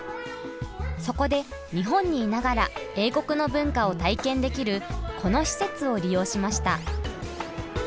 そこで日本にいながら英国の文化を体験できるこの施設を利用しました。